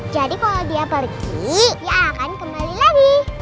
jadi kalau dia pergi dia akan kembali lagi